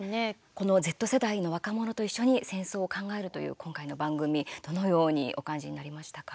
このＺ世代の若者と一緒に戦争を考えるという今回の番組どのようにお感じになりましたか？